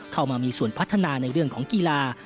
เข้ามามีส่วนพัฒนาในเรื่องของกีฬา